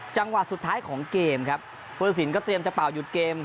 จังหวะสุดท้ายของเกมครับพุทธศิลปก็เตรียมจะเป่าหยุดเกม